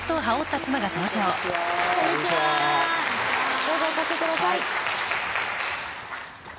どうぞおかけください